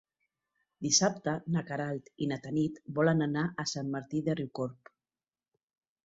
Dissabte na Queralt i na Tanit volen anar a Sant Martí de Riucorb.